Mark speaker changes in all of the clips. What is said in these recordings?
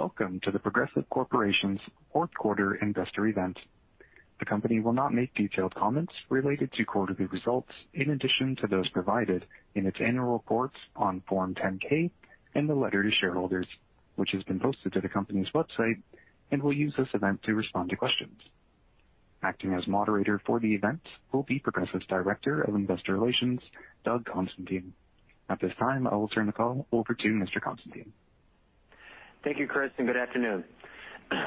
Speaker 1: Welcome to The Progressive Corporation fourth quarter investor event. The company will not make detailed comments related to quarterly results in addition to those provided in its annual reports on Form 10-K and the letter to shareholders, which has been posted to the company's website, and will use this event to respond to questions. Acting as moderator for the event will be Progressive's Director of Investor Relations, Doug Constantine. At this time, I will turn the call over to Mr. Constantine.
Speaker 2: Thank you, Chris, and good afternoon.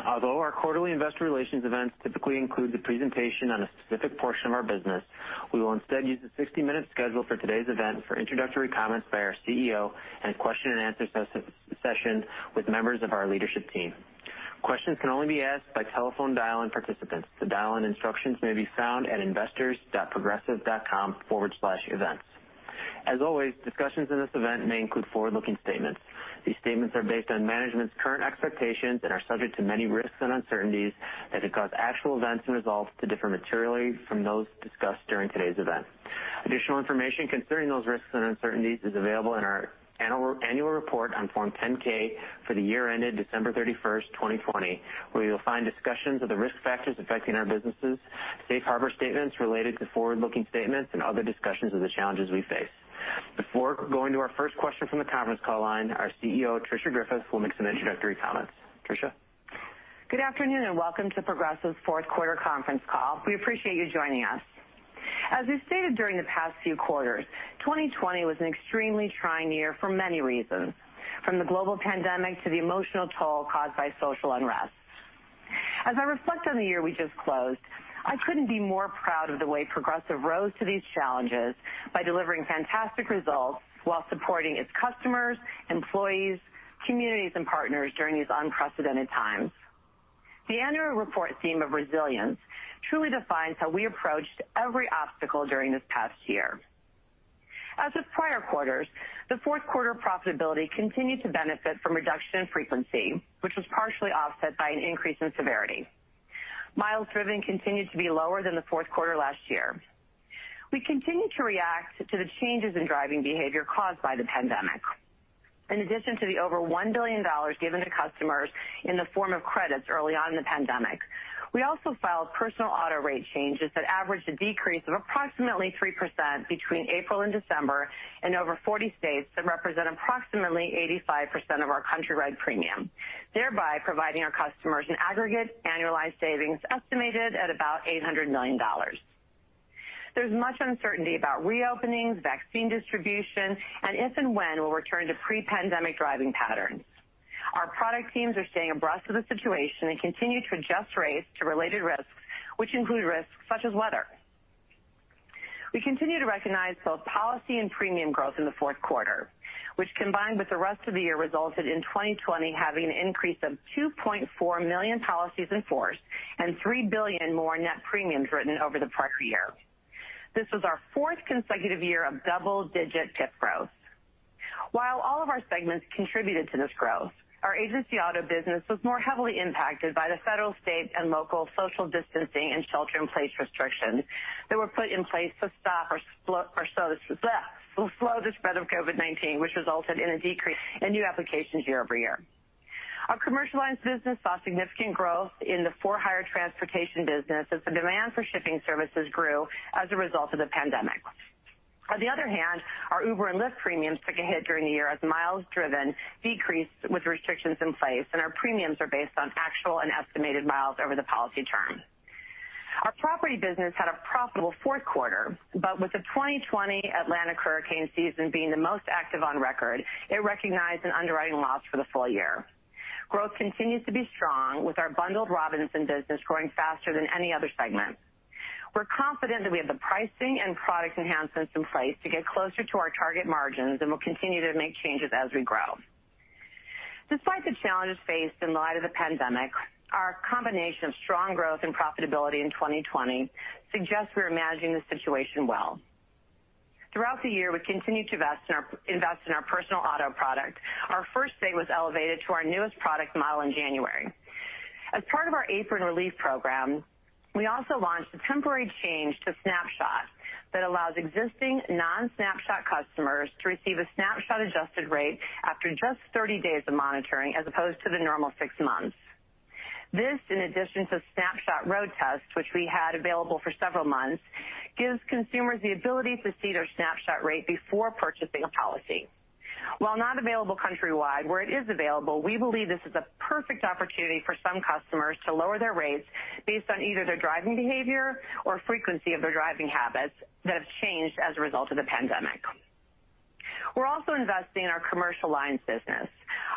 Speaker 2: Although our quarterly investor relations events typically include the presentation on a specific portion of our business, we will instead use the 60-minute schedule for today's event for introductory comments by our CEO, and question-and-answer session with members of our leadership team. Questions can only be asked by telephone dial-in participants. The dial-in instructions may be found at investors.progressive.com/events. As always, discussions in this event may include forward-looking statements. These statements are based on management's current expectations and are subject to many risks and uncertainties that could cause actual events and results to differ materially from those discussed during today's event. Additional information concerning those risks and uncertainties is available in our annual report on Form 10-K for the year ended December 31st, 2020, where you'll find discussions of the risk factors affecting our businesses, safe harbor statements related to forward-looking statements, and other discussions of the challenges we face. Before going to our first question from the conference call line, our CEO, Tricia Griffith, will make some introductory comments. Tricia?
Speaker 3: Good afternoon, welcome to Progressive's fourth quarter conference call. We appreciate you joining us. As we stated during the past few quarters, 2020 was an extremely trying year for many reasons, from the global pandemic to the emotional toll caused by social unrest. As I reflect on the year we just closed, I couldn't be more proud of the way Progressive rose to these challenges by delivering fantastic results while supporting its customers, employees, communities, and partners during these unprecedented times. The annual report theme of resilience truly defines how we approached every obstacle during this past year. As with prior quarters, the fourth quarter profitability continued to benefit from reduction in frequency, which was partially offset by an increase in severity. Miles driven continued to be lower than the fourth quarter last year. We continued to react to the changes in driving behavior caused by the pandemic. In addition to the over $1 billion given to customers in the form of credits early on in the pandemic, we also filed personal auto rate changes that averaged a decrease of approximately 3% between April and December in over 40 states that represent approximately 85% of our countrywide premium, thereby providing our customers an aggregate annualized savings estimated at about $800 million. There's much uncertainty about reopenings, vaccine distribution, and if and when we'll return to pre-pandemic driving patterns. Our product teams are staying abreast of the situation and continue to adjust rates to related risks, which include risks such as weather. We continue to recognize both policy and premium growth in the fourth quarter, which combined with the rest of the year, resulted in 2020 having an increase of 2.4 million policies in force and $3 billion in more net premiums written over the prior year. This was our fourth consecutive year of double-digit PIF growth. While all of our segments contributed to this growth, our agency auto business was more heavily impacted by the federal, state, and local social distancing and shelter-in-place restrictions that were put in place to slow the spread of COVID-19, which resulted in a decrease in new applications year-over-year. Our commercial lines business saw significant growth in the for-hire transportation business as the demand for shipping services grew as a result of the pandemic. On the other hand, our Uber and Lyft premiums took a hit during the year as miles driven decreased with restrictions in place, and our premiums are based on actual and estimated miles over the policy term. Our property business had a profitable fourth quarter, but with the 2020 Atlantic hurricane season being the most active on record, it recognized an underwriting loss for the full year. Growth continues to be strong with our bundled Robinsons business growing faster than any other segment. We're confident that we have the pricing and product enhancements in place to get closer to our target margins, and we'll continue to make changes as we grow. Despite the challenges faced in light of the pandemic, our combination of strong growth and profitability in 2020 suggests we are managing the situation well. Throughout the year, we continued to invest in our personal auto product. Our first state was elevated to our newest product model in January. As part of our Apron Relief Program, we also launched a temporary change to Snapshot that allows existing non-Snapshot customers to receive a Snapshot adjusted rate after just 30 days of monitoring, as opposed to the normal six months. This, in addition to Snapshot Road Test, which we had available for several months, gives consumers the ability to see their Snapshot rate before purchasing a policy. While not available countrywide, where it is available, we believe this is a perfect opportunity for some customers to lower their rates based on either their driving behavior or frequency of their driving habits that have changed as a result of the pandemic. We're also investing in our Commercial Lines business.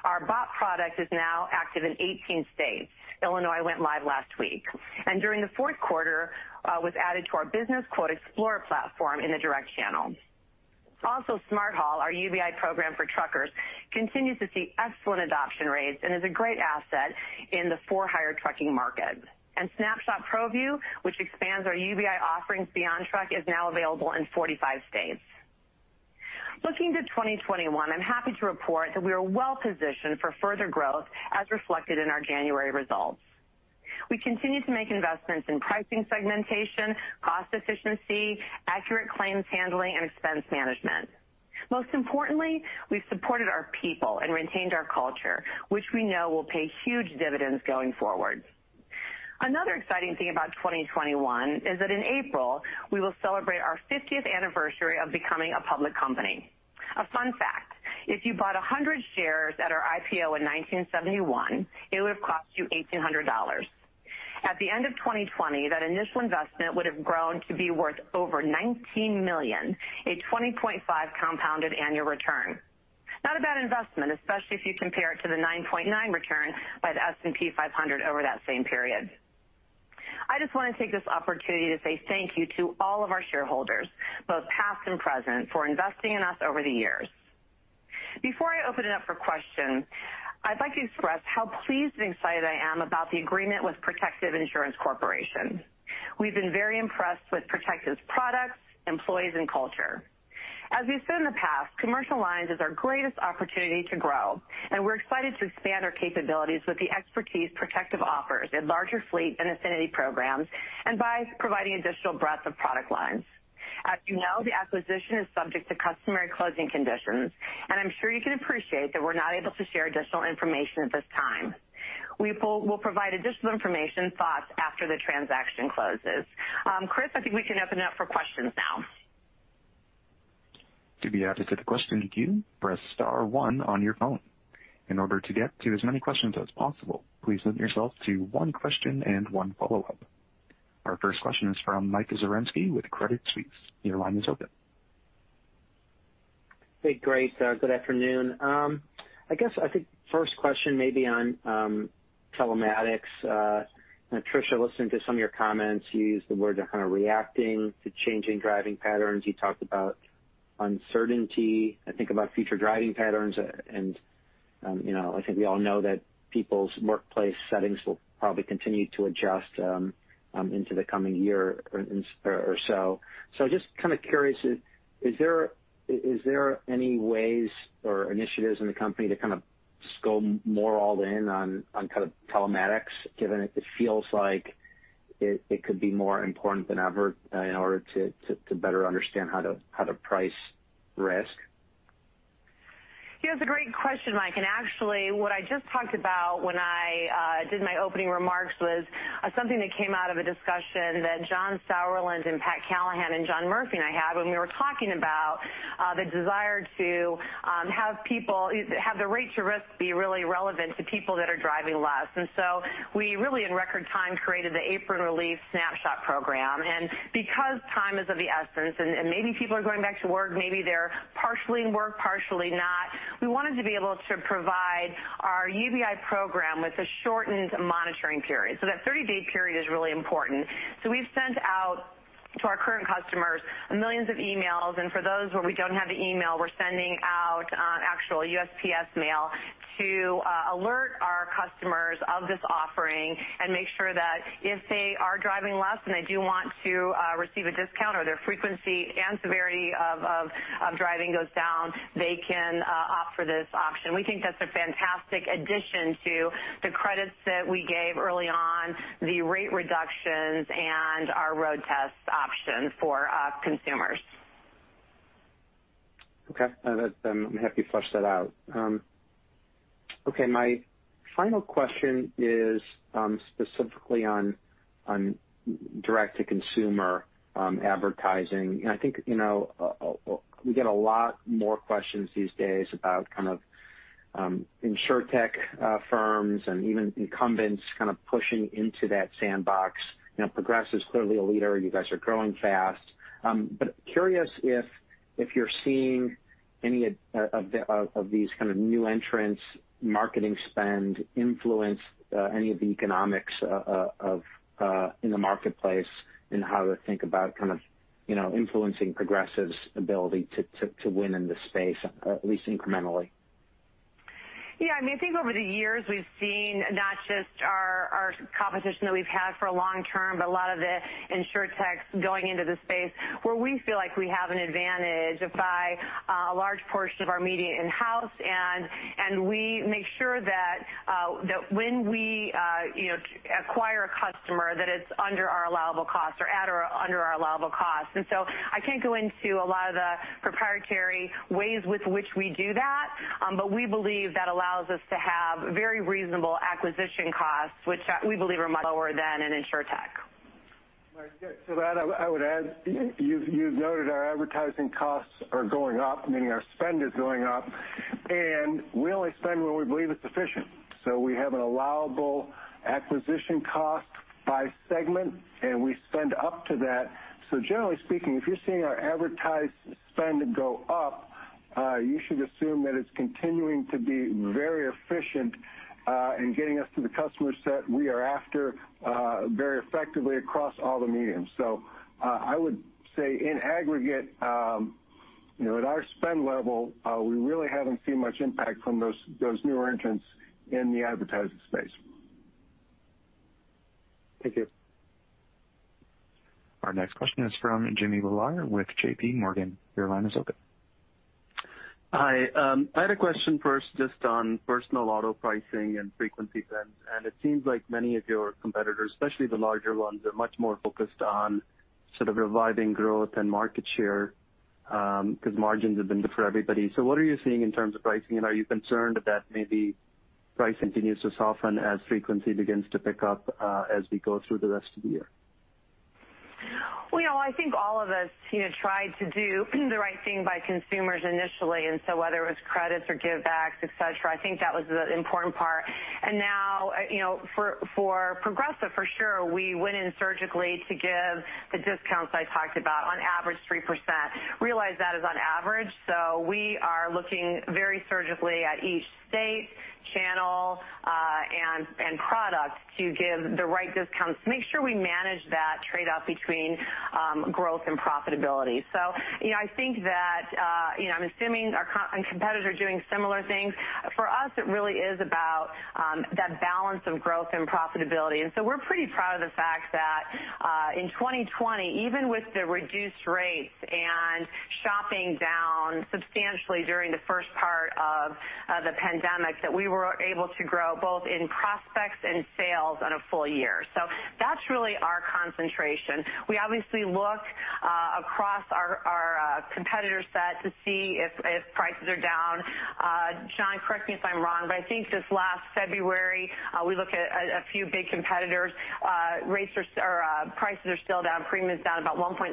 Speaker 3: Our BOP product is now active in 18 states. Illinois went live last week. During the fourth quarter, was added to our BusinessQuote Explorer platform in the direct channel. Smart Haul, our UBI program for truckers, continues to see excellent adoption rates and is a great asset in the for-hire trucking market. Snapshot ProView, which expands our UBI offerings beyond truck, is now available in 45 states. Looking to 2021, I'm happy to report that we are well-positioned for further growth, as reflected in our January results. We continue to make investments in pricing segmentation, cost efficiency, accurate claims handling, and expense management. Most importantly, we've supported our people and retained our culture, which we know will pay huge dividends going forward. Another exciting thing about 2021 is that in April, we will celebrate our 50th anniversary of becoming a public company. A fun fact, if you bought 100 shares at our IPO in 1971, it would have cost you $1,800. At the end of 2020, that initial investment would have grown to be worth over $19 million, a 20.5 compounded annual return. Not a bad investment, especially if you compare it to the 9.9 return by the S&P 500 over that same period. I just want to take this opportunity to say thank you to all of our shareholders, both past and present, for investing in us over the years. Before I open it up for questions, I'd like to express how pleased and excited I am about the agreement with Protective Insurance Corporation. We've been very impressed with Protective's products, employees, and culture. As we've said in the past, commercial lines is our greatest opportunity to grow, and we're excited to expand our capabilities with the expertise Protective offers in larger fleet and affinity programs and by providing additional breadth of product lines. As you know, the acquisition is subject to customary closing conditions, and I'm sure you can appreciate that we're not able to share additional information at this time. We'll provide additional information thoughts after the transaction closes. Chris, I think we can open it up for questions now.
Speaker 1: To be added to the question queue, press star one on your phone. In order to get to as many questions as possible, please limit yourself to one question and one follow-up. Our first question is from Michael Zaremski with Credit Suisse. Your line is open.
Speaker 4: Hey, great. Good afternoon. I guess, I think first question maybe on telematics. Tricia, listening to some of your comments, you used the word kind of reacting to changing driving patterns. You talked about uncertainty, I think about future driving patterns and I think we all know that people's workplace settings will probably continue to adjust into the coming year or so. Just kind of curious, is there any ways or initiatives in the company to kind of just go more all in on kind of telematics, given it feels like it could be more important than ever in order to better understand how to price risk?
Speaker 3: Yeah, that's a great question, Mike, and actually what I just talked about when I did my opening remarks was something that came out of a discussion that John Sauerland and Pat Callahan and John Murphy and I had when we were talking about the desire to have the rate to risk be really relevant to people that are driving less. We really in record time created the Apron Relief Snapshot Program. Because time is of the essence and maybe people are going back to work, maybe they're partially in work, partially not, we wanted to be able to provide our UBI program with a shortened monitoring period. That 30-day period is really important. We've sent out to our current customers millions of emails, and for those where we don't have the email, we're sending out actual USPS mail to alert our customers of this offering and make sure that if they are driving less and they do want to receive a discount or their frequency and severity of driving goes down, they can opt for this option. We think that's a fantastic addition to the credits that we gave early on, the rate reductions, and our road test option for consumers.
Speaker 4: Okay. I'm happy to flush that out. Okay, my final question is specifically on direct-to-consumer advertising, and I think we get a lot more questions these days about kind of insurtech firms and even incumbents kind of pushing into that sandbox. Progressive's clearly a leader, you guys are growing fast. Curious if you're seeing any of these kind of new entrants marketing spend influence any of the economics in the marketplace in how to think about kind of influencing Progressive's ability to win in the space, at least incrementally.
Speaker 3: Yeah, I think over the years we've seen not just our competition that we've had for a long term, but a lot of the insurtechs going into the space where we feel like we have an advantage by a large portion of our media in-house, and we make sure that when we acquire a customer, that it's under our allowable cost or at or under our allowable cost. I can't go into a lot of the proprietary ways with which we do that, but we believe that allows us to have very reasonable acquisition costs, which we believe are much lower than an insurtech.
Speaker 5: Mike, to that, I would add, you've noted our advertising costs are going up, meaning our spend is going up, and we only spend when we believe it's efficient. We have an allowable acquisition cost by segment, and we spend up to that. Generally speaking, if you're seeing our advertise spend go up, you should assume that it's continuing to be very efficient in getting us to the customer set we are after very effectively across all the mediums. I would say in aggregate at our spend level, we really haven't seen much impact from those newer entrants in the advertising space.
Speaker 4: Thank you.
Speaker 1: Our next question is from Jimmy Bhullar with JPMorgan. Your line is open.
Speaker 6: Hi. I had a question first just on personal auto pricing and frequency trends. It seems like many of your competitors, especially the larger ones, are much more focused on reviving growth and market share, because margins have been good for everybody. What are you seeing in terms of pricing, and are you concerned that maybe price continues to soften as frequency begins to pick up as we go through the rest of the year?
Speaker 3: I think all of us tried to do the right thing by consumers initially, whether it was credits or givebacks, et cetera, I think that was the important part. For Progressive, for sure, we went in surgically to give the discounts I talked about, on average 3%. Realize that is on average. We are looking very surgically at each state, channel, and product to give the right discounts, make sure we manage that trade-off between growth and profitability. I'm assuming our competitors are doing similar things. For us, it really is about that balance of growth and profitability. We're pretty proud of the fact that in 2020, even with the reduced rates and shopping down substantially during the first part of the pandemic, that we were able to grow both in prospects and sales on a full year. That's really our concentration. We obviously look across our competitor set to see if prices are down. John, correct me if I'm wrong, but I think this last February, we looked at a few big competitors, prices are still down, premiums down about 1.7%.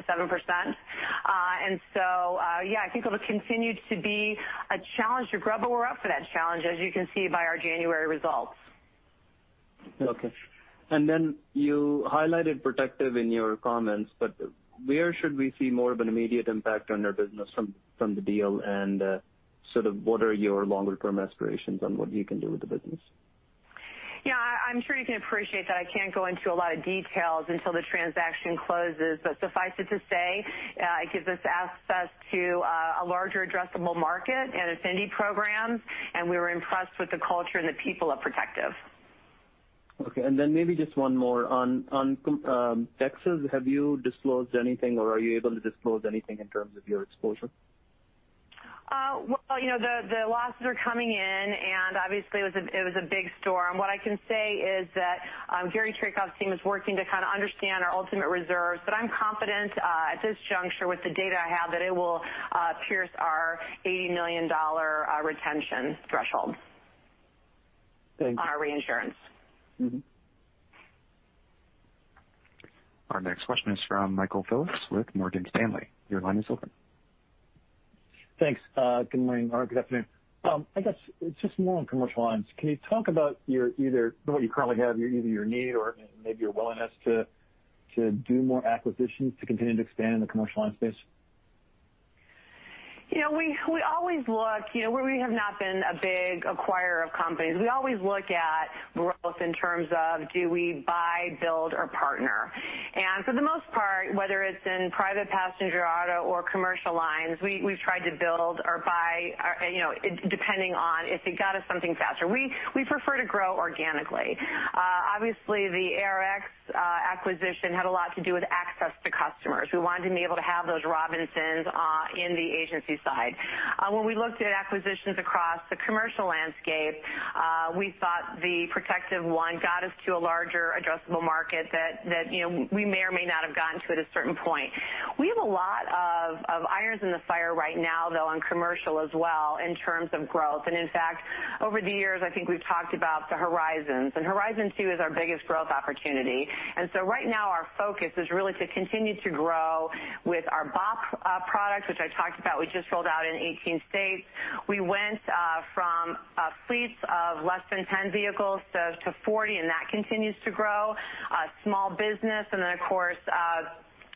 Speaker 3: Yeah, I think it'll continue to be a challenge to grow, but we're up for that challenge, as you can see by our January results.
Speaker 6: Okay. You highlighted Protective in your comments, but where should we see more of an immediate impact on your business from the deal, and what are your longer-term aspirations on what you can do with the business?
Speaker 3: Yeah, I'm sure you can appreciate that I can't go into a lot of details until the transaction closes. Suffice it to say, it gives us access to a larger addressable market and affinity programs, and we were impressed with the culture and the people of Protective.
Speaker 6: Okay, then maybe just one more. On Texas, have you disclosed anything or are you able to disclose anything in terms of your exposure?
Speaker 3: Well, the losses are coming in, and obviously it was a big storm. What I can say is that Gary Traicoff's team is working to kind of understand our ultimate reserves. I'm confident, at this juncture, with the data I have, that it will pierce our $80 million retention threshold.
Speaker 6: Thanks.
Speaker 3: Our reinsurance.
Speaker 1: Our next question is from Michael Phillips with Morgan Stanley. Your line is open.
Speaker 7: Thanks. Good morning, or good afternoon. I guess it's just more on commercial lines. Can you talk about what you currently have, either your need or maybe your willingness to do more acquisitions to continue to expand in the Commercial Lines space?
Speaker 3: We always look, we have not been a big acquirer of companies. We always look at growth in terms of do we buy, build, or partner? For the most part, whether it's in private passenger auto or commercial lines, we've tried to build or buy, depending on if it got us something faster. We prefer to grow organically. Obviously, the ARX acquisition had a lot to do with access to customers. We wanted to be able to have those Robinsons in the agency side. When we looked at acquisitions across the commercial landscape, we thought the Protective one got us to a larger addressable market that we may or may not have gotten to at a certain point. We have a lot of irons in the fire right now, though, on commercial as well in terms of growth. In fact, over the years, I think we've talked about the Horizons, and Horizon 2 is our biggest growth opportunity. Right now our focus is really to continue to grow with our BOP products, which I talked about. We just rolled out in 18 states. We went from fleets of less than 10 vehicles to 40, and that continues to grow. Small business, and then of course,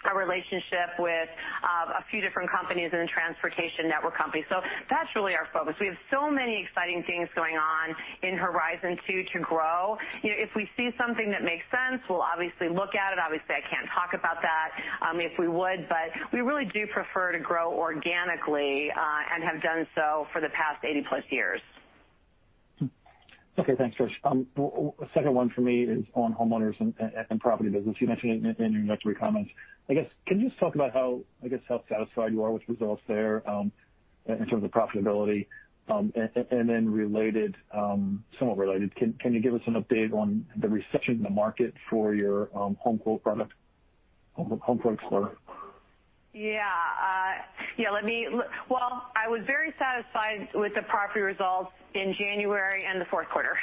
Speaker 3: our relationship with a few different companies in the Transportation Network Company. That's really our focus. We have so many exciting things going on in Horizon 2 to grow. If we see something that makes sense, we'll obviously look at it. Obviously, I can't talk about that if we would, but we really do prefer to grow organically, and have done so for the past 80+ years.
Speaker 7: Okay, thanks, Trish. A second one for me is on homeowners and property business. You mentioned it in your introductory comments. I guess, can you just talk about how satisfied you are with results there in terms of profitability? Somewhat related, can you give us an update on the reception in the market for your HomeQuote product? HomeQuote Explorer.
Speaker 3: Yeah. Well, I was very satisfied with the property results in January and the fourth quarter.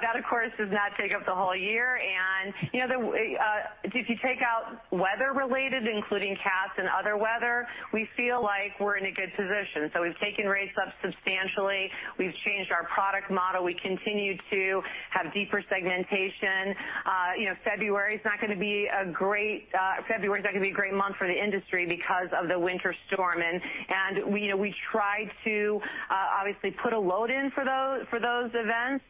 Speaker 3: That of course does not take up the whole year, and if you take out weather related, including cats and other weather, we feel like we're in a good position. We've taken rates up substantially. We've changed our product model. We continue to have deeper segmentation. February's not going to be a great month for the industry because of the winter storm, and we tried to obviously put a load in for those events.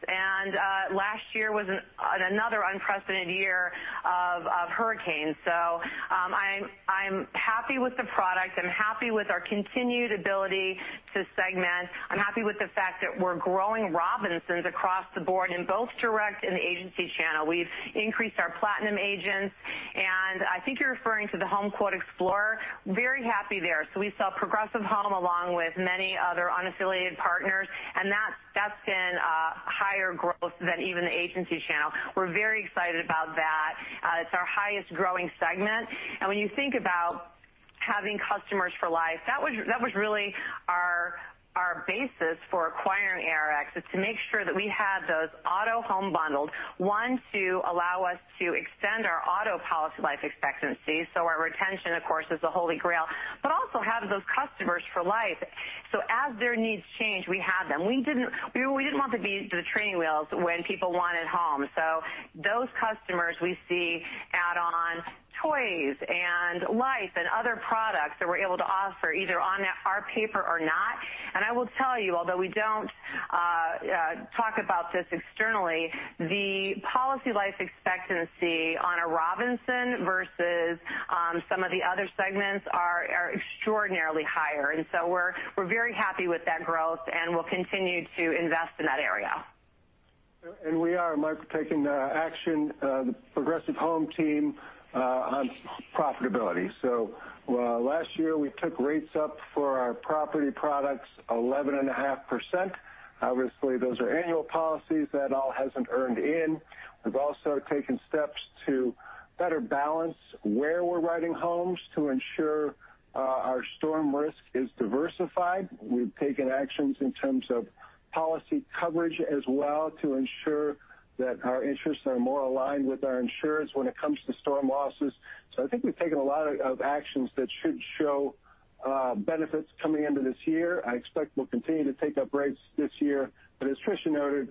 Speaker 3: Last year was another unprecedented year of hurricanes. I'm happy with the product. I'm happy with our continued ability to segment. I'm happy with the fact that we're growing Robinsons across the board in both direct and the agency channel. We've increased our platinum agents. I think you're referring to the HomeQuote Explorer, very happy there. We sell Progressive Home along with many other unaffiliated partners, and that's been higher growth than even the agency channel. We're very excited about that. It's our highest growing segment. When you think about having customers for life, that was really our basis for acquiring ARX is to make sure that we have those auto home bundles, one, to allow us to extend our auto policy life expectancy. Our retention, of course, is the holy grail, but also have those customers for life, so as their needs change, we have them. We didn't want to be the training wheels when people wanted home. Those customers we see add on toys and life and other products that we're able to offer either on our paper or not. I will tell you, although we don't talk about this externally, the policy life expectancy on a Robinsons versus some of the other segments are extraordinarily higher. We're very happy with that growth, and we'll continue to invest in that area.
Speaker 5: We are, Mike, taking action, the Progressive Home team on profitability. Last year, we took rates up for our property products 11.5%. Obviously, those are annual policies. That all hasn't earned in. We've also taken steps to better balance where we're writing homes to ensure our storm risk is diversified. We've taken actions in terms of policy coverage as well, to ensure that our interests are more aligned with our insurers when it comes to storm losses. I think we've taken a lot of actions that should show benefits coming into this year. I expect we'll continue to take up rates this year. As Tricia noted,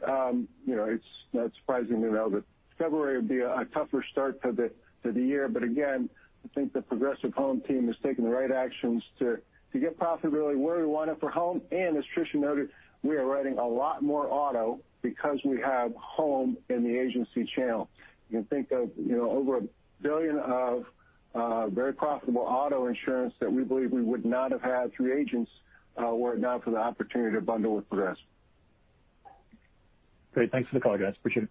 Speaker 5: it's not surprising to know that February would be a tougher start to the year. Again, I think the Progressive Home team has taken the right actions to get profitability where we want it for home. As Tricia noted, we are writing a lot more auto because we have home in the agency channel. You can think of over $1 billion of very profitable auto insurance that we believe we would not have had through agents were it not for the opportunity to bundle with Progressive.
Speaker 7: Great. Thanks for the call, guys. Appreciate it.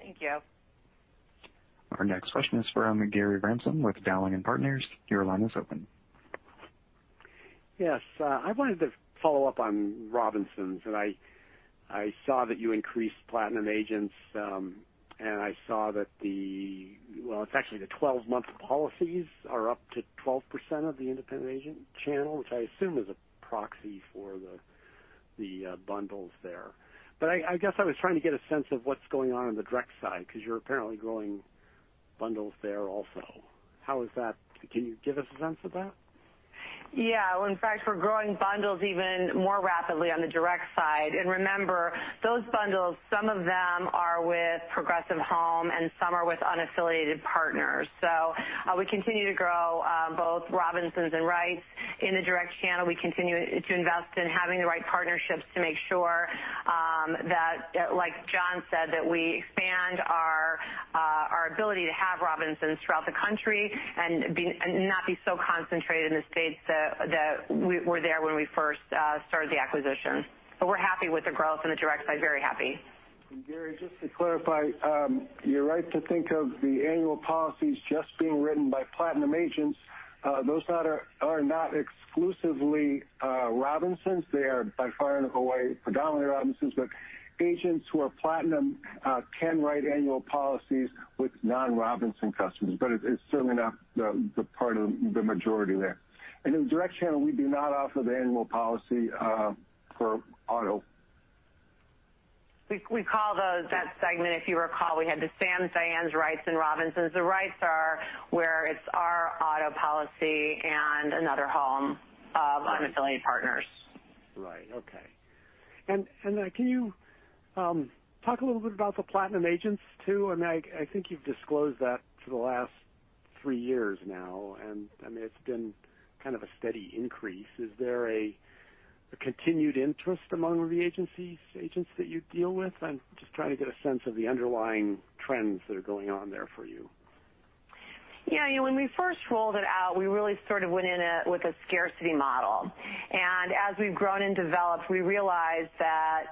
Speaker 3: Thank you.
Speaker 1: Our next question is from Gary Ransom with Dowling & Partners. Your line is open.
Speaker 8: Yes. I wanted to follow up on Robinsons. I saw that you increased platinum agents. I saw that the, well, it's actually the 12-month policies are up to 12% of the independent agent channel, which I assume is a proxy for the bundles there. I guess I was trying to get a sense of what's going on in the direct side, because you're apparently growing bundles there also. How is that? Can you give us a sense of that?
Speaker 3: Yeah. Well, in fact, we're growing bundles even more rapidly on the direct side. Remember, those bundles, some of them are with Progressive Home, and some are with unaffiliated partners. We continue to grow both Robinsons and Wrights in the direct channel. We continue to invest in having the right partnerships to make sure that, like John said, that we expand our ability to have Robinsons throughout the country and not be so concentrated in the states that were there when we first started the acquisition. We're happy with the growth in the direct side. Very happy.
Speaker 5: Gary, just to clarify, you're right to think of the annual policies just being written by platinum agents. Those are not exclusively Robinsons. They are by far and away predominantly Robinsons. Agents who are platinum can write annual policies with non-Robinson customers, but it's certainly not the majority there. In the direct channel, we do not offer the annual policy for auto.
Speaker 3: We call that segment, if you recall, we had the Sams, Dianes, Wrights, and Robinsons. The Wrights are where it's our auto policy and another home of unaffiliated partners.
Speaker 8: Right. Okay. Can you talk a little bit about the platinum agents too? I think you've disclosed that for the last three years now, and it's been kind of a steady increase. Is there a continued interest among the agents that you deal with? I'm just trying to get a sense of the underlying trends that are going on there for you.
Speaker 3: Yeah. When we first rolled it out, we really sort of went in it with a scarcity model. As we've grown and developed, we realized that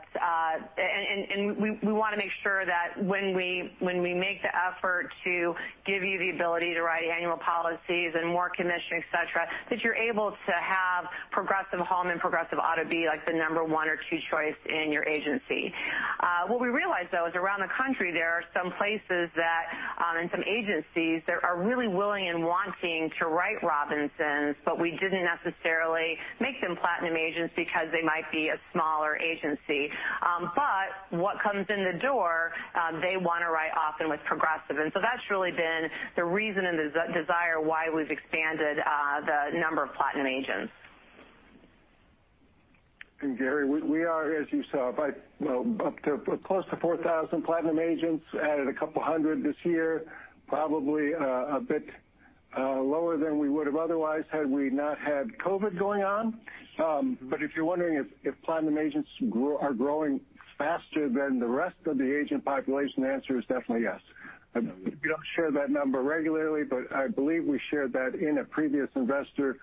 Speaker 3: we want to make sure that when we make the effort to give you the ability to write annual policies and more commission, et cetera, that you're able to have Progressive Home and Progressive Auto be like the number one or two choice in your agency. What we realized, though, is around the country, there are some places that, and some agencies that are really willing and wanting to write Robinsons, but we didn't necessarily make them platinum agents because they might be a smaller agency. But what comes in the door, they want to write often with Progressive. That's really been the reason and the desire why we've expanded the number of platinum agents.
Speaker 5: Gary, we are, as you saw, up to close to 4,000 platinum agents. Added a couple of hundred this year, probably a bit lower than we would have otherwise had we not had COVID going on. If you're wondering if platinum agents are growing faster than the rest of the agent population, the answer is definitely yes. We don't share that number regularly, but I believe we shared that in a previous investor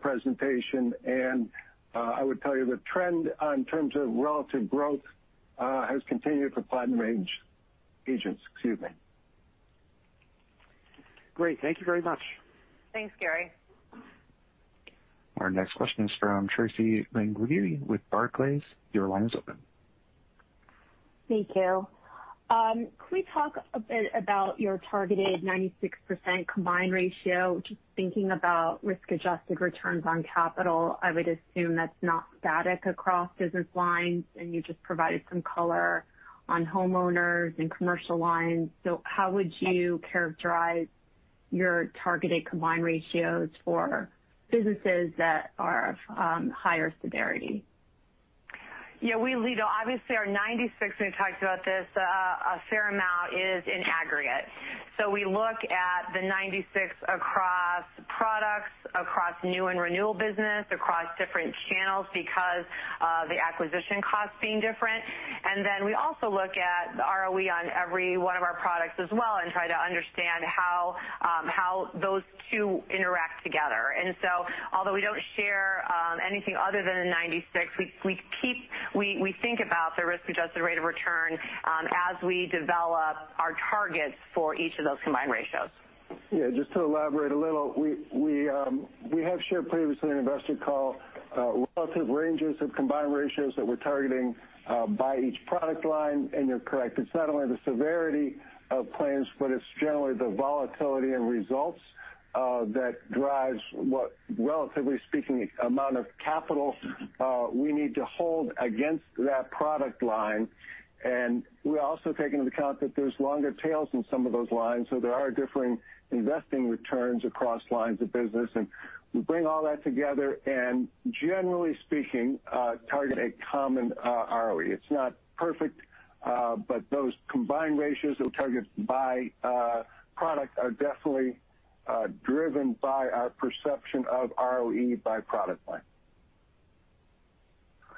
Speaker 5: presentation, and I would tell you the trend in terms of relative growth has continued for platinum agents. Excuse me.
Speaker 8: Great. Thank you very much.
Speaker 3: Thanks, Gary.
Speaker 1: Our next question is from Tracy Benguigui with Barclays. Your line is open
Speaker 9: Thank you. Can we talk a bit about your targeted 96% combined ratio? Just thinking about risk-adjusted returns on capital, I would assume that's not static across business lines, and you just provided some color on homeowners and commercial lines. How would you characterize your targeted combined ratios for businesses that are of higher severity?
Speaker 3: Yeah. Obviously, our 96%, we talked about this a fair amount, is in aggregate. We look at the 96 across products, across new and renewal business, across different channels because of the acquisition costs being different. We also look at the ROE on every one of our products as well and try to understand how those two interact together. Although we don't share anything other than the 96%, we think about the risk-adjusted rate of return as we develop our targets for each of those combined ratios.
Speaker 5: Yeah, just to elaborate a little, we have shared previously in an investor call relative ranges of combined ratios that we're targeting by each product line, and you're correct. It's not only the severity of claims, but it's generally the volatility in results that drives what, relatively speaking, amount of capital we need to hold against that product line. We also take into account that there's longer tails in some of those lines, so there are differing investing returns across lines of business. We bring all that together and generally speaking, target a common ROE. It's not perfect, but those combined ratios that we target by product are definitely driven by our perception of ROE by product line.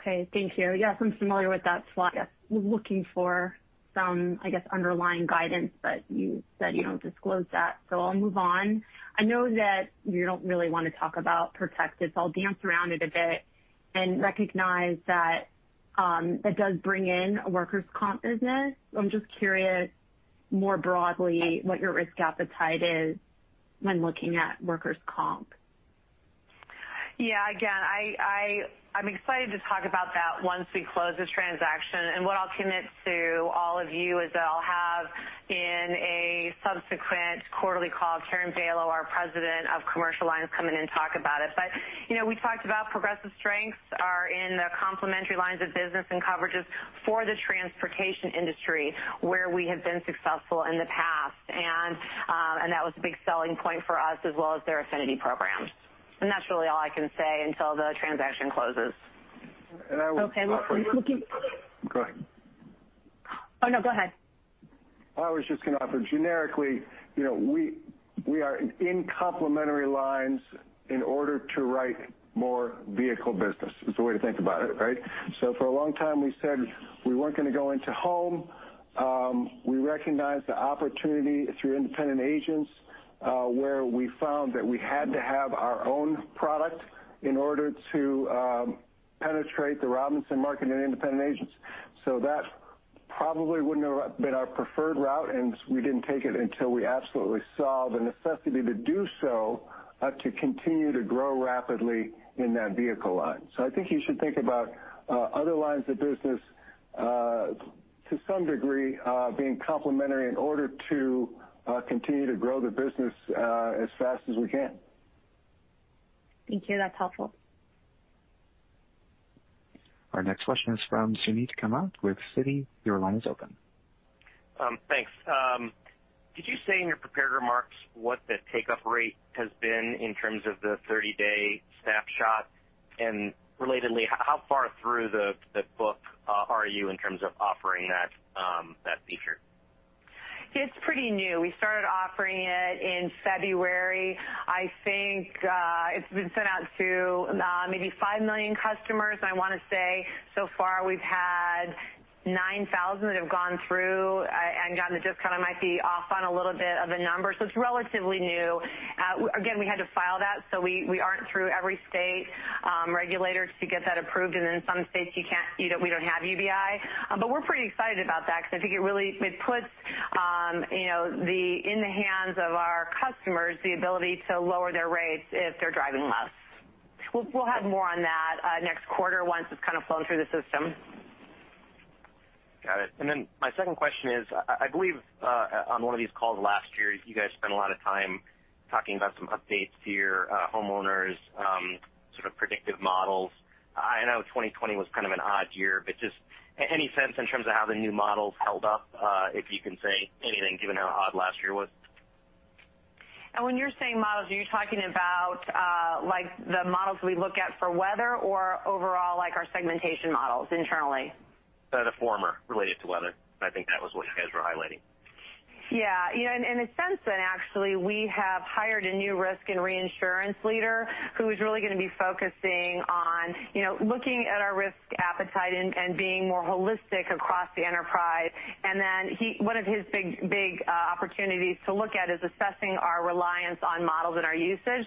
Speaker 9: Okay. Thank you. Yes, I'm familiar with that slide. I was looking for some underlying guidance, but you said you don't disclose that, so I'll move on. I know that you don't really want to talk about Protective, so I'll dance around it a bit and recognize that it does bring in a workers' comp business. I'm just curious more broadly what your risk appetite is when looking at workers' comp.
Speaker 3: Yeah. Again, I'm excited to talk about that once we close the transaction. What I'll commit to all of you is that I'll have in a subsequent quarterly call, Karen Bailo, our President of Commercial Lines, come in and talk about it. We talked about Progressive strengths are in the complementary lines of business and coverages for the transportation industry, where we have been successful in the past. That was a big selling point for us as well as their affinity programs. That's really all I can say until the transaction closes.
Speaker 5: And I will.
Speaker 9: Okay.
Speaker 5: Go ahead.
Speaker 9: Oh, no. Go ahead.
Speaker 5: I was just going to offer generically, we are in complementary lines in order to write more vehicle business, is the way to think about it, right? For a long time, we said we weren't going to go into home. We recognized the opportunity through independent agents, where we found that we had to have our own product in order to penetrate the Robinsons market and independent agents. That probably wouldn't have been our preferred route, and we didn't take it until we absolutely saw the necessity to do so to continue to grow rapidly in that vehicle line. I think you should think about other lines of business, to some degree, being complementary in order to continue to grow the business as fast as we can.
Speaker 9: Thank you. That's helpful.
Speaker 1: Our next question is from Suneet Kamath with Citi. Your line is open.
Speaker 10: Thanks. Did you say in your prepared remarks what the take-up rate has been in terms of the 30-day Snapshot? Relatedly, how far through the book are you in terms of offering that feature?
Speaker 3: It's pretty new. We started offering it in February. I think it's been sent out to maybe 5 million customers. I want to say so far we've had 9,000 that have gone through. John, the discount might be off on a little bit of the numbers. It's relatively new. Again, we had to file that. We aren't through every state regulator to get that approved. In some states, we don't have UBI. We're pretty excited about that because I think it puts in the hands of our customers the ability to lower their rates if they're driving less. We'll have more on that next quarter once it's kind of flown through the system.
Speaker 10: Got it. My second question is, I believe on one of these calls last year, you guys spent a lot of time talking about some updates to your homeowners' sort of predictive models. I know 2020 was kind of an odd year, just any sense in terms of how the new models held up, if you can say anything given how odd last year was?
Speaker 3: When you're saying models, are you talking about the models we look at for weather or overall, like our segmentation models internally?
Speaker 10: The former, related to weather. I think that was what you guys were highlighting.
Speaker 3: Yeah. In a sense then, actually, we have hired a new risk and reinsurance leader who is really going to be focusing on looking at our risk appetite and being more holistic across the enterprise. One of his big opportunities to look at is assessing our reliance on models and our usage.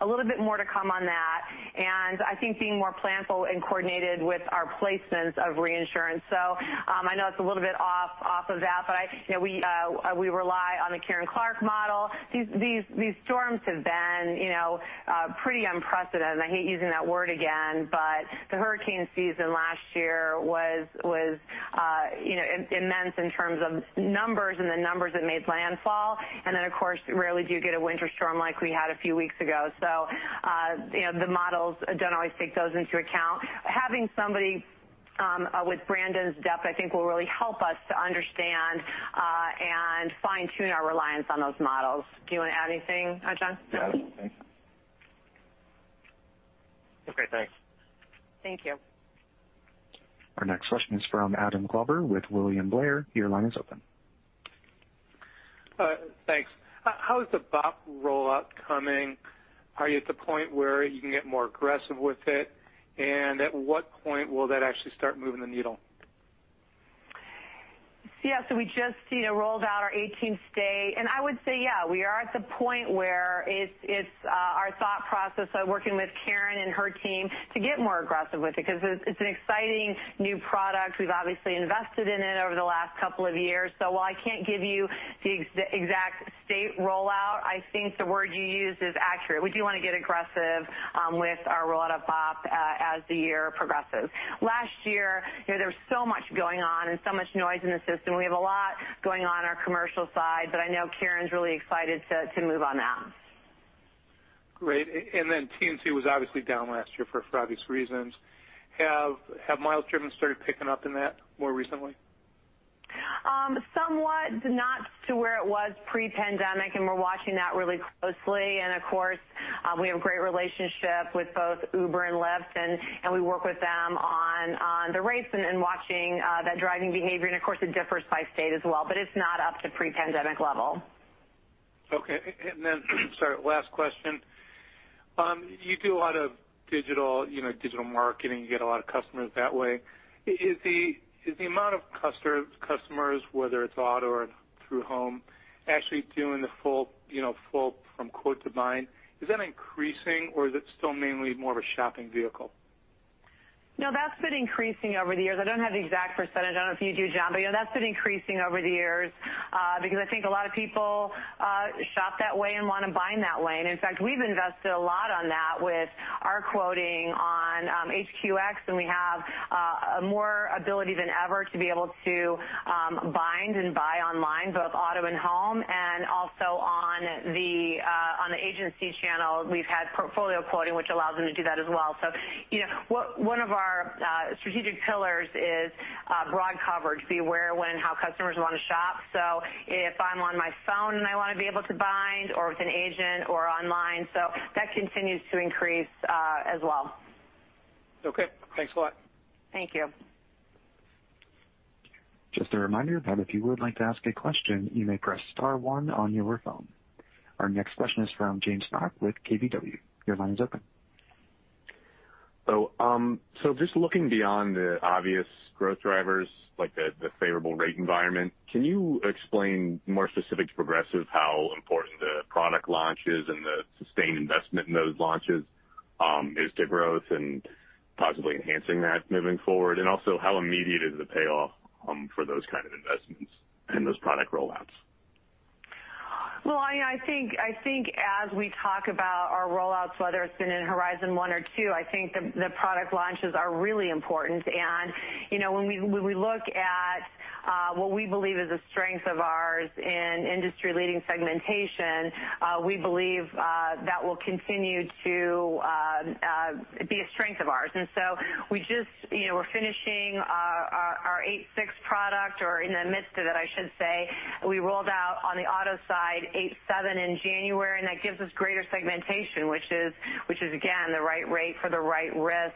Speaker 3: A little bit more to come on that. I think being more planful and coordinated with our placements of reinsurance. I know that's a little bit off of that, but we rely on the Karen Clark model. These storms have been pretty unprecedented, and I hate using that word again, but the hurricane season last year was immense in terms of numbers and the numbers that made landfall. Of course, you rarely do get a winter storm like we had a few weeks ago. The models don't always take those into account. Having somebody with Brandon's depth, I think, will really help us to understand, and fine-tune our reliance on those models. Do you want to add anything, John?
Speaker 5: No, I don't think.
Speaker 10: Okay, thanks.
Speaker 3: Thank you.
Speaker 1: Our next question is from Adam Glover with William Blair. Your line is open.
Speaker 11: Thanks. How is the BOP rollout coming? Are you at the point where you can get more aggressive with it? At what point will that actually start moving the needle?
Speaker 3: Yeah. We just rolled out our 18th state. I would say, we are at the point where it's our thought process of working with Karen and her team to get more aggressive with it, because it's an exciting new product. We've obviously invested in it over the last couple of years. While I can't give you the exact state rollout, I think the word you used is accurate. We do want to get aggressive with our rollout of BOP as the year progresses. Last year, there was so much going on and so much noise in the system. We have a lot going on our commercial side. I know Karen's really excited to move on that.
Speaker 11: Great. TNC was obviously down last year for obvious reasons. Have miles driven started picking up in that more recently?
Speaker 3: Somewhat. Not to where it was pre-pandemic, and we're watching that really closely. Of course, we have a great relationship with both Uber and Lyft, and we work with them on the rates and watching that driving behavior. Of course, it differs by state as well, but it's not up to pre-pandemic level.
Speaker 11: Okay. Sorry, last question. You do a lot of digital marketing. You get a lot of customers that way. Is the amount of customers, whether it's auto or through home, actually doing the full from quote to bind, is that increasing or is it still mainly more of a shopping vehicle?
Speaker 3: No, that's been increasing over the years. I don't have the exact percentage. I don't know if you do, John. That's been increasing over the years, because I think a lot of people shop that way and want to bind that way. In fact, we've invested a lot on that with our quoting on HQX, and we have more ability than ever to be able to bind and buy online, both auto and home, and also on the agency channel, we've had portfolio quoting, which allows them to do that as well. One of our strategic pillars is broad coverage, be aware when, how customers want to shop. If I'm on my phone and I want to be able to bind or with an agent or online, that continues to increase as well.
Speaker 11: Okay. Thanks a lot.
Speaker 3: Thank you.
Speaker 1: Just a reminder that if you would like to ask a question, you may press star one on your phone. Our next question is from James Stark with KBW. Your line is open.
Speaker 12: Just looking beyond the obvious growth drivers, like the favorable rate environment, can you explain more specific to Progressive how important the product launch is and the sustained investment in those launches is to growth and possibly enhancing that moving forward? How immediate is the payoff for those kind of investments and those product rollouts?
Speaker 3: I think as we talk about our rollouts, whether it's been in Horizon 1 or 2, I think the product launches are really important. When we look at what we believe is a strength of ours in industry-leading segmentation, we believe that will continue to be a strength of ours. We're finishing our 8.6 product, or in the midst of it, I should say. We rolled out on the auto side 8.7 in January, that gives us greater segmentation, which is again, the right rate for the right risk.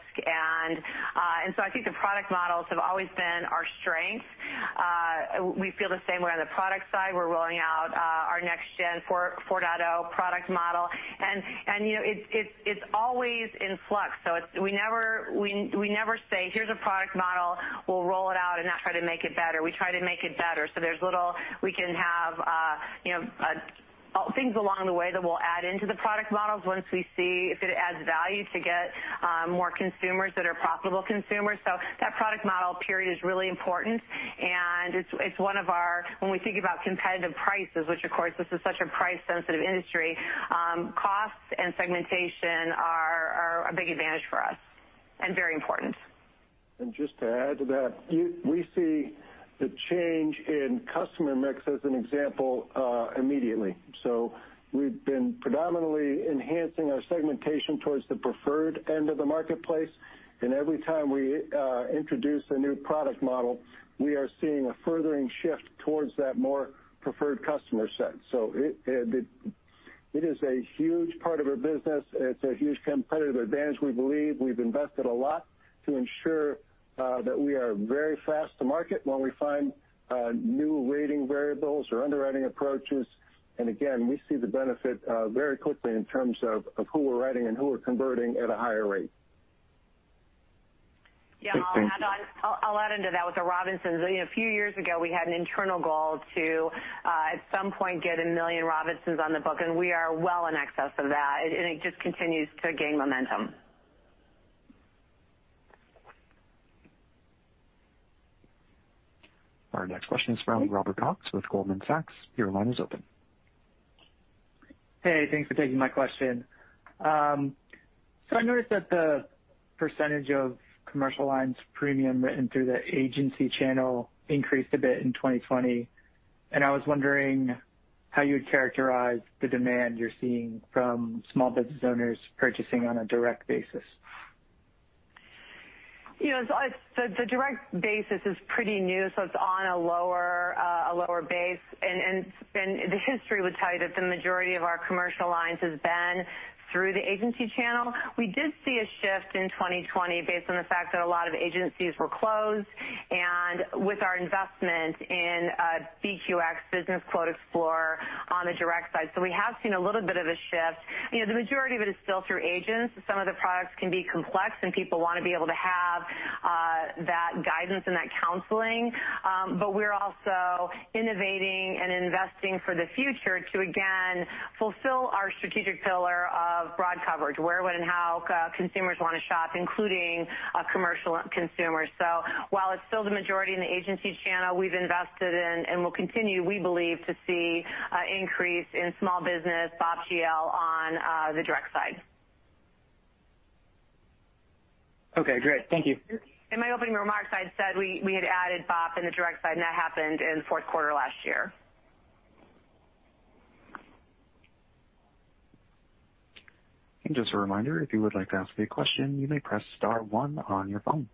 Speaker 3: I think the product models have always been our strength. We feel the same way on the product side. We're rolling out our next-gen 4.0 product model, it's always in flux. We never say, "Here's a product model. We'll roll it out and not try to make it better. We try to make it better." We can have things along the way that we'll add into the product models once we see if it adds value to get more consumers that are profitable consumers. That product model, period, is really important, and when we think about competitive prices, which of course, this is such a price-sensitive industry, costs and segmentation are a big advantage for us and very important.
Speaker 5: Just to add to that, we see the change in customer mix as an example, immediately. We've been predominantly enhancing our segmentation towards the preferred end of the marketplace, and every time we introduce a new product model, we are seeing a furthering shift towards that more preferred customer set. It is a huge part of our business. It's a huge competitive advantage, we believe. We've invested a lot to ensure that we are very fast to market when we find new rating variables or underwriting approaches. Again, we see the benefit very quickly in terms of who we're writing and who we're converting at a higher rate.
Speaker 3: Yeah.
Speaker 1: Thanks.
Speaker 3: I'll add into that with the Robinsons. A few years ago, we had an internal goal to, at some point, get a million Robinsons on the book, and we are well in excess of that, and it just continues to gain momentum.
Speaker 1: Our next question is from Robert Cox with Goldman Sachs. Your line is open.
Speaker 13: Hey, thanks for taking my question. I noticed that the percentage of commercial lines premium written through the agency channel increased a bit in 2020, and I was wondering how you would characterize the demand you're seeing from small business owners purchasing on a direct basis?
Speaker 3: The direct basis is pretty new, so it's on a lower base. The history would tell you that the majority of our commercial lines has been through the agency channel. We did see a shift in 2020 based on the fact that a lot of agencies were closed and with our investment in BQX, BusinessQuote Explorer, on the direct side. We have seen a little bit of a shift. The majority of it is still through agents. Some of the products can be complex, and people want to be able to have that guidance and that counseling. We're also innovating and investing for the future to, again, fulfill our strategic pillar of broad coverage, where, when, and how consumers want to shop, including commercial consumers. While it's still the majority in the agency channel, we've invested in and will continue, we believe, to see an increase in small business, BOP GL on the direct side.
Speaker 13: Okay, great. Thank you.
Speaker 3: In my opening remarks, I had said we had added BOP on the direct side, and that happened in the fourth quarter last year.
Speaker 1: Just a reminder, if you would like to ask a question, you may press star one on your phone.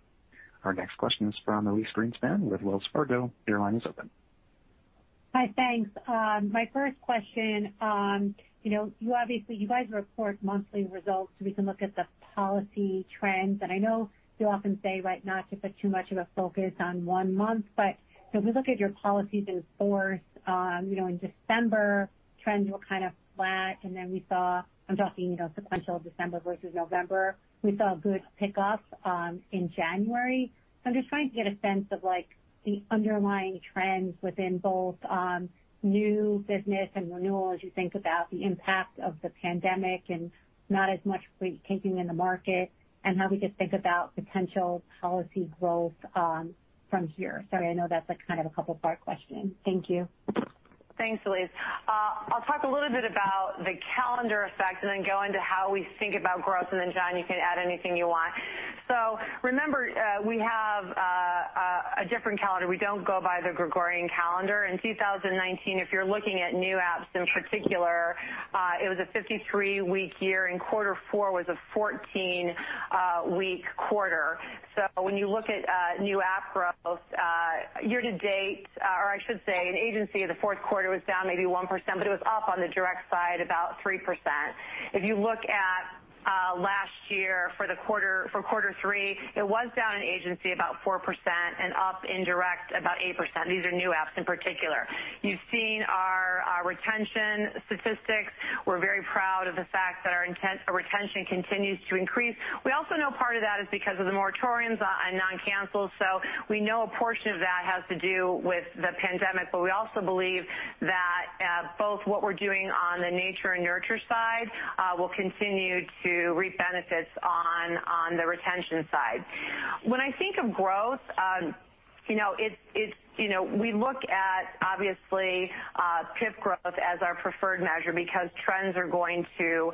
Speaker 1: Our next question is from Elyse Greenspan with Wells Fargo. Your line is open.
Speaker 14: Hi, thanks. My first question, you guys report monthly results, so we can look at the policy trends. I know you often say not to put too much of a focus on one month, but if we look at your policies in force, in December, trends were kind of flat. Then we saw, I'm talking sequential December versus November, we saw a good pickup in January. I'm just trying to get a sense of the underlying trends within both new business and renewal as you think about the impact of the pandemic and not as much fleet taking in the market, and how we could think about potential policy growth from here. Sorry, I know that's a couple part question. Thank you.
Speaker 3: Thanks, Elyse. I'll talk a little bit about the calendar effect and then go into how we think about growth. John, you can add anything you want. Remember, we have a different calendar. We don't go by the Gregorian calendar. In 2019, if you're looking at new apps in particular, it was a 53-week year, and quarter four was a 14-week quarter. When you look at new app growth year to date, or I should say in agency, the fourth quarter was down maybe 1%, but it was up on the direct side about 3%. If you look at last year for quarter three, it was down in agency about 4% and up in direct about 8%. These are new apps in particular. You've seen our retention statistics. We're very proud of the fact that our retention continues to increase. We also know part of that is because of the moratoriums on non-cancels. We know a portion of that has to do with the pandemic, but we also believe that both what we're doing on the nature and nurture side will continue to reap benefits on the retention side. When I think of growth, we look at, obviously, PIF growth as our preferred measure because trends are going to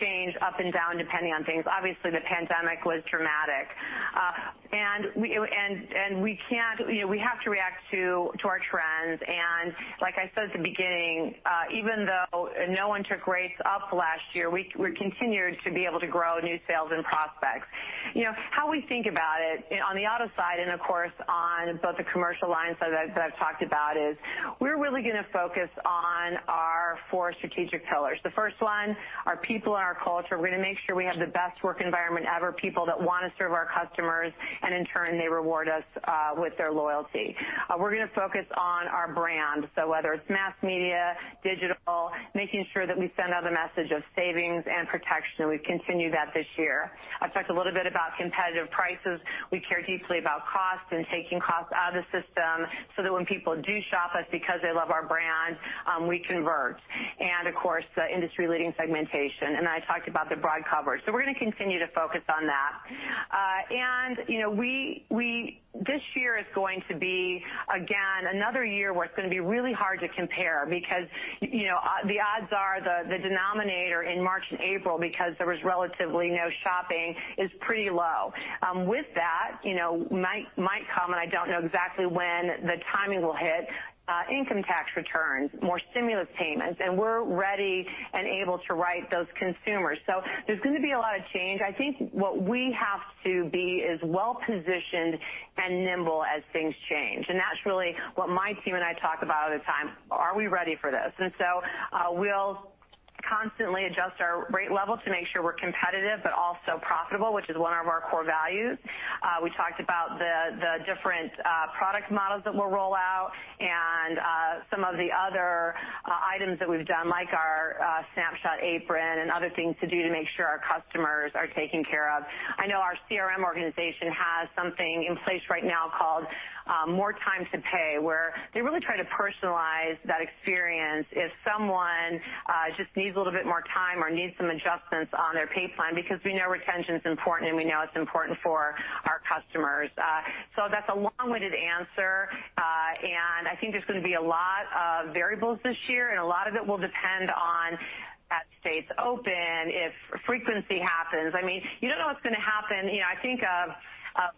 Speaker 3: change up and down, depending on things. Obviously, the pandemic was dramatic. We have to react to our trends. Like I said at the beginning, even though no one took rates up last year, we continued to be able to grow new sales and prospects. How we think about it, on the auto side and of course, on both the commercial lines that I've talked about is we're really going to focus on our four strategic pillars. The first one, our people and our culture. We're going to make sure we have the best work environment ever, people that want to serve our customers, and in turn, they reward us with their loyalty. We're going to focus on our brand, so whether it's mass media, digital, making sure that we send out a message of savings and protection. We've continued that this year. I've talked a little bit about competitive prices. We care deeply about costs and taking costs out of the system so that when people do shop us because they love our brand, we convert. Of course, the industry-leading segmentation, and I talked about the broad coverage. We're going to continue to focus on that. This year is going to be, again, another year where it's going to be really hard to compare because the odds are the denominator in March and April, because there was relatively no shopping, is pretty low. With that might come, I don't know exactly when the timing will hit, income tax returns, more stimulus payments, and we're ready and able to write those consumers. There's going to be a lot of change. I think what we have to be is well-positioned and nimble as things change, and that's really what my team and I talk about all the time. Are we ready for this? We'll constantly adjust our rate level to make sure we're competitive but also profitable, which is one of our core values. We talked about the different product models that we'll roll out and some of the other items that we've done, like our Snapshot Apron and other things to do to make sure our customers are taken care of. I know our CRM organization has something in place right now called More Time to Pay, where they really try to personalize that experience if someone just needs a little bit more time or needs some adjustments on their pay plan because we know retention is important, and we know it's important for our customers. I think there's going to be a lot of variables this year, and a lot of it will depend on as states open, if frequency happens. You don't know what's going to happen. I think of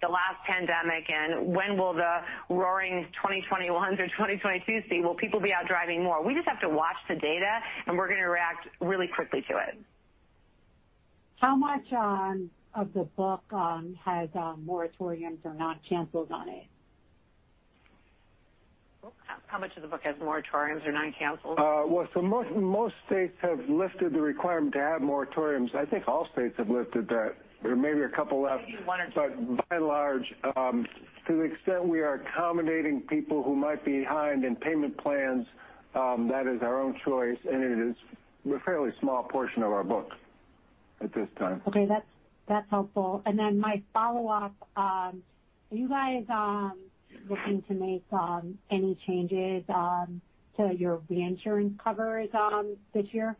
Speaker 3: the last pandemic and when will the roaring 2021 through 2022 see, will people be out driving more? We just have to watch the data, and we're going to react really quickly to it.
Speaker 14: How much of the book has moratoriums or non-cancels on it?
Speaker 3: How much of the book has moratoriums or non-cancels?
Speaker 5: Well, most states have lifted the requirement to have moratoriums. I think all states have lifted that. There may be a couple left.
Speaker 3: Maybe one or two.
Speaker 5: By and large, to the extent we are accommodating people who might be behind in payment plans, that is our own choice, and it is a fairly small portion of our book at this time.
Speaker 14: Okay, that's helpful. My follow-up, are you guys looking to make any changes to your reinsurance covers this year?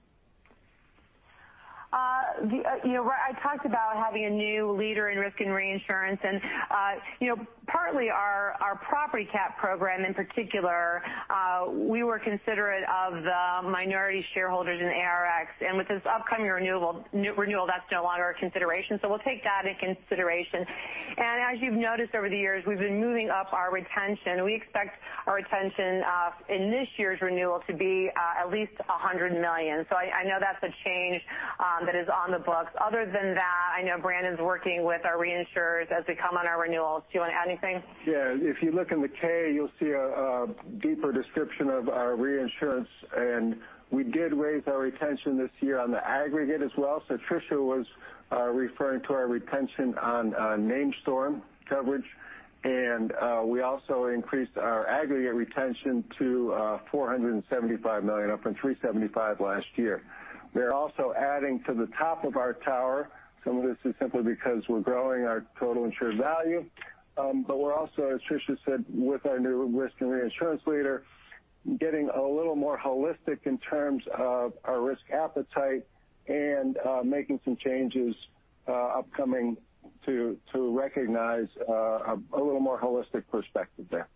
Speaker 3: I talked about having a new leader in risk and reinsurance. Partly our property cap program in particular, we were considerate of the minority shareholders in ARX, with this upcoming renewal, that's no longer a consideration. We'll take that in consideration. As you've noticed over the years, we've been moving up our retention. We expect our retention in this year's renewal to be at least $100 million. I know that's a change that is on the books. Other than that, I know Brandon's working with our reinsurers as they come on our renewals. Do you want to add anything?
Speaker 5: If you look in the K, you'll see a deeper description of our reinsurance. We did raise our retention this year on the aggregate as well. Tricia was referring to our retention on named storm coverage, and we also increased our aggregate retention to $475 million up from $375 last year. We are also adding to the top of our tower. Some of this is simply because we're growing our total insured value. We're also, as Tricia said, with our new risk and reinsurance leader, getting a little more holistic in terms of our risk appetite and making some changes upcoming to recognize a little more holistic perspective there.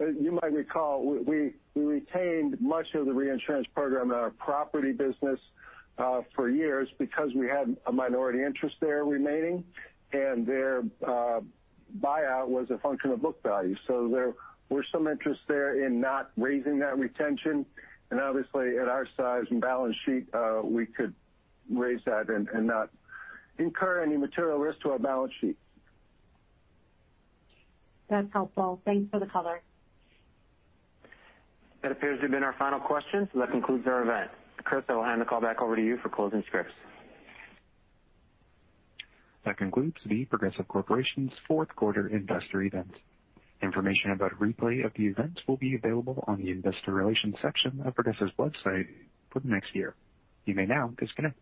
Speaker 5: You might recall, we retained much of the reinsurance program in our property business for years because we had a minority interest there remaining, and their buyout was a function of book value. There was some interest there in not raising that retention. Obviously at our size and balance sheet, we could raise that and not incur any material risk to our balance sheet.
Speaker 14: That's helpful. Thanks for the color.
Speaker 2: That appears to have been our final question, so that concludes our event. Chris, I will hand the call back over to you for closing scripts.
Speaker 1: That concludes The Progressive Corporation's fourth quarter investor event. Information about a replay of the event will be available on the investor relations section of Progressive's website for the next year. You may now disconnect.